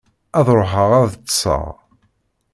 Ad ruḥeɣ ad ṭṭseɣ.